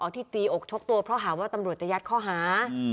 ที่ตีอกชกตัวเพราะหาว่าตำรวจจะยัดข้อหา